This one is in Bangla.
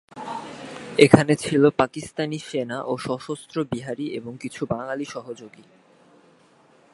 এখানে ছিল পাকিস্তানি সেনা ও সশস্ত্র বিহারী এবং কিছু বাঙালি সহযোগী।